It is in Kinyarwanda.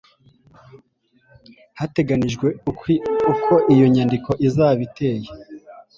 Hateganyijwe uko iyo nyandiko izaba iteye,